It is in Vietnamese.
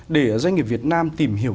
để doanh nghiệp việt nam tìm hiểu